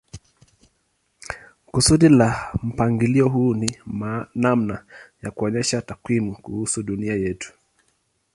Kusudi la mpangilio huu ni namna ya kuonyesha takwimu kuhusu dunia yetu.